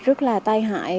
rất là tai hại